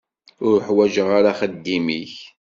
Ur ḥwaǧeɣ ara axeddim-ik.